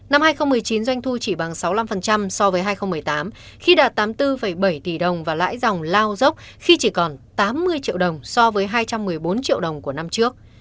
năm hai nghìn một mươi chín doanh thu chỉ bằng sáu mươi năm so với hai nghìn một mươi tám khi đạt tám mươi bốn bảy tỷ đồng và lãi dòng lao dốc khi chỉ còn tám mươi triệu đồng so với hai trăm một mươi bốn triệu đồng của năm trước